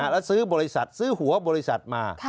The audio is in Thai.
แล้วซื้อบริษัทซื้อหัวบริษัทมา